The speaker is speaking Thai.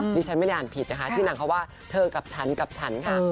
ดิฉันไม่ได้อ่านผิดนะคะชื่อหนังเขาว่าเธอกับฉันกับฉันค่ะ